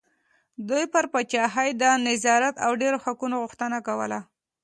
دوی پر پاچاهۍ د نظارت او ډېرو حقوقو غوښتنه کوله.